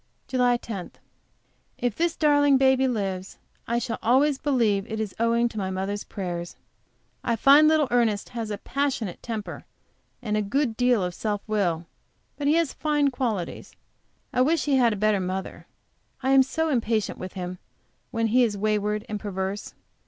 JULY 10. If this darling baby lives, I shall always believe it is owing to my mother's prayers. I find little Ernest has a passionate temper, and a good deal of self will. But he has fine qualities. I wish he had a better mother. I am so impatient with him when he is wayward and perverse!